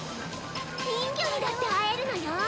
人魚にだって会えるのよ